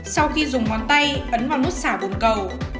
sau khi dùng ngón tay ấn vào nút xả bồn cầu